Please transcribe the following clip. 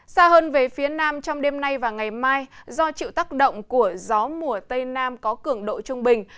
xa hơn về phía nam trong đêm nay và ngày mai do chịu tác động của gió mùa tây nam có cường độ trung bình